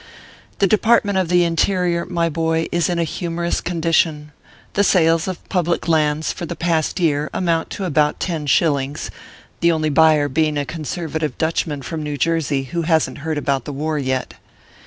The Department of the Inte rior, my boy, is in a humorous condition ; the sales of public lands for the past year amount to about ten shillings, the only buyer being a conservative Dutch man from New Jersey, who hasn t heard about the war yet.